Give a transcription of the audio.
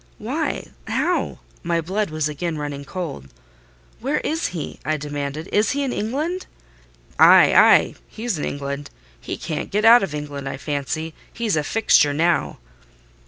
"Why? How?" My blood was again running cold. "Where is he?" I demanded. "Is he in England?" "Ay—ay—he's in England; he can't get out of England, I fancy—he's a fixture now."